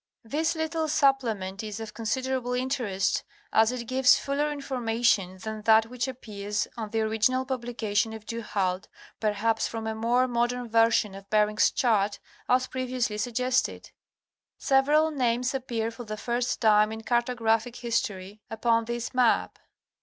This little supplement is of considerable interest as it gives fuller information than that which appears on the Review of Bering's First Expedition, 1725 30. 125 g up ;_ original publication of Du Halde, perhaps from a more modern version of Bering's chart, as previously suggested. Several names appear for the first time in cartographic history, upon this map.